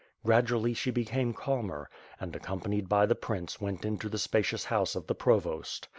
Gradually she became WITH FIRE AND SWORD, 525 calmer, and accompanied by the prince went into the spacious house of the provost.